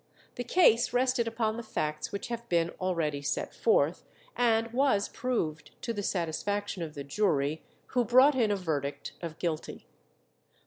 The case rested upon the facts which have been already set forth, and was proved to the satisfaction of the jury, who brought in a verdict of guilty.